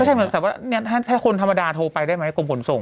แต่ว่าถ้าคนธรรมดาโทรไปได้ไหมกรุงผลส่ง